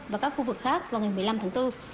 và các khu vực khác vào ngày một mươi năm tháng bốn